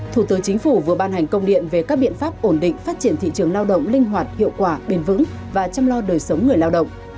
thủ tướng chính phủ vừa ban hành công điện về các biện pháp ổn định phát triển thị trường lao động linh hoạt hiệu quả bền vững và chăm lo đời sống người lao động